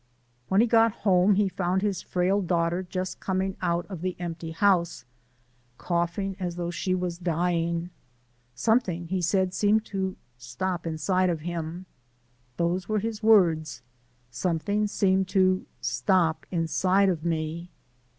When he got home, he found his frail daughter just coming out of the empty house, "coughing as though she was dyin'." Something, he said, seemed to stop inside him. Those were his words: "Something seemed to stop inside 'o me."